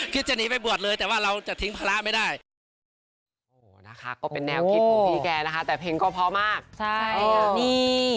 จะหนีไปบวชเลยแต่ว่าเราจะทิ้งภาระไม่ได้